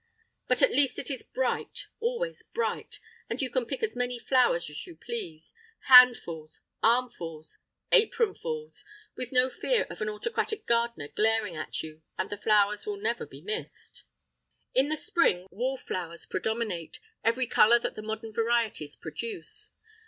But at least it is bright, always bright, and you can pick as many flowers as you please—handfuls, armfuls, apronfuls—with no fear of an autocratic gardener glaring at you; and the flowers will never be missed. In the spring wallflowers predominate, every colour that the modern varieties produce.